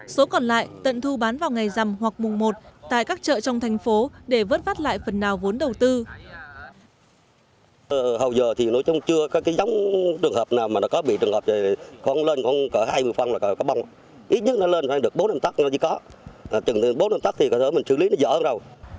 số còn lại tận thu bán vào ngày rằm hoặc mùng một tại các chợ trong thành phố để vớt vát lại phần nào vốn đầu tư